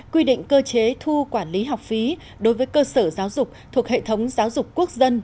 quy định cơ chế thu quản lý học phí đối với cơ sở giáo dục thuộc hệ thống giáo dục quốc dân